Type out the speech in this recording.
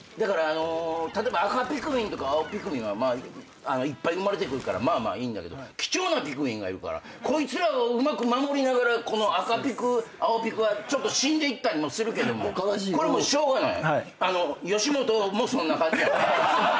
例えば赤ピクミンとか青ピクミンはいっぱい生まれてくるからまあいいんだけど貴重なピクミンがいるからこいつらをうまく守りながらこの赤ピク青ピクはちょっと死んでいったりもするけどもこれもうしょうがない。